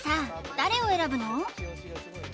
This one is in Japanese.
誰を選ぶの？